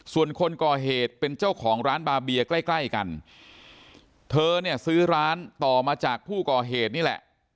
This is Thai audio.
ส่วนคนก่อเหตุเป็นเจ้าของร้านบาเบียใกล้ใกล้กันเธอเนี่ยซื้อร้านต่อมาจากผู้ก่อเหตุนี่แหละ